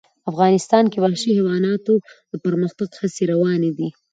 افغانستان کې د وحشي حیواناتو د پرمختګ هڅې روانې دي.